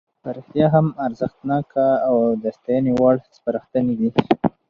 په رښتیا هم ارزښتناکه او د ستاینې وړ سپارښتنې دي.